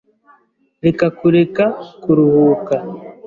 Reka kureka kuruhuka